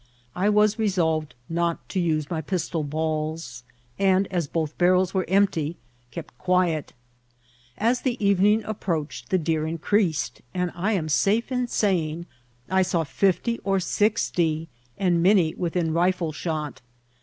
I was resolved not to use my pistol balls, and as both barrels were empty, kept quiet. As the evening i^pproached the deer increased, and I am safe in saying I saw fifty or sixty, and many within rifle shot.